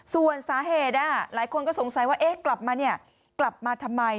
ส่วนสาเหตุหลายคนก็สงสัยว่ากลับมาทำไม